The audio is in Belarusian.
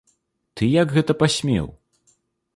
Ты як гэта пасмеў?